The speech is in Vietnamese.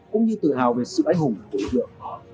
cũng như tự hào về sự anh hùng tội lượng